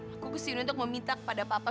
aku kesini untuk meminta kepada papa